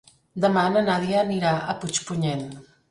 Demà na Nàdia anirà a Puigpunyent.